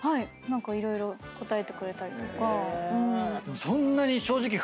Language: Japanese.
何か色々答えてくれたりとか。